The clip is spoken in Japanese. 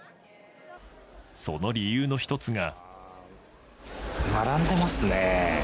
その理由の１つが。